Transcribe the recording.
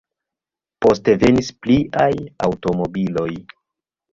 Poste venis pliaj aŭtomobiloj.